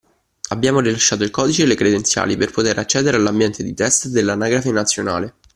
Abbiamo rilasciato il codice e le credenziali per poter accedere all’ambiente di test dell’Anagrafe nazionale